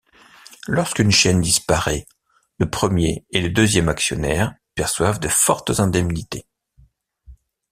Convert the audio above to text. Lorsqu'une chaîne disparaît, le premier et le deuxième actionnaire perçoivent de fortes indemnités.